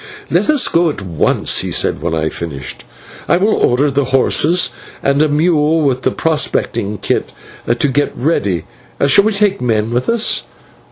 "Let us go at once," he said when I had finished. "I will order the horses and a mule with the prospecting kit to be got ready. Shall we take men with us?"